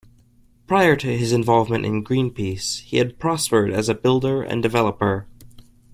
Prior to his involvement in Greenpeace he had prospered as a builder and developer.